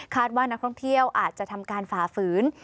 ว่านักท่องเที่ยวอาจจะทำการฝ่าฝืน